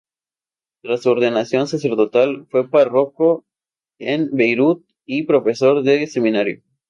Tras su ordenación sacerdotal fue párroco en Beirut y profesor de seminario.